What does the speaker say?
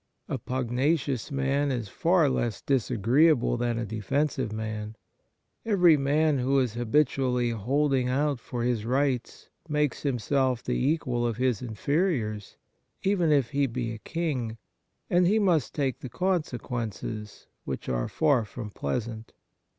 A pugnacious man is far less dis agreeable than a defensive man. Every man who is habitually holding out for his rights makes himself the equal of his inferiors, even if he be a king, and he must take the consequences, which are far from pleasant.